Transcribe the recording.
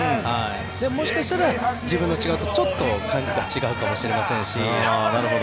もしかしたら自分の感覚とちょっと違うかもしれませんし。